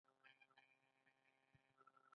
د نفتي موادو ذخیرې شته